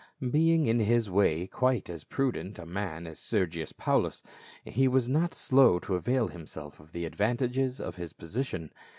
Being in his way quite as prudent a man as Sergius Paulus, he was not slow to avail himself of the advantages of his posi tion.